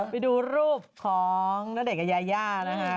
ไปดูรูปของณเดชน์กับยาย่านะครับ